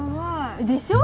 ・でしょ？